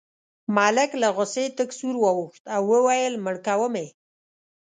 ملک له غوسې تک سور واوښت او وویل مړ کوم یې.